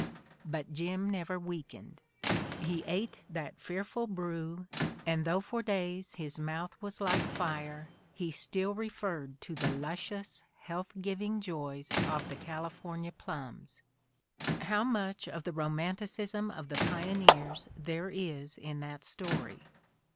But Jim never weakened. He ate that fearful brew, and though for days his mouth was like fire he still referred to the luscious, health giving joys of the 'California' plums." How much of the romanticism of the pioneers there is in that story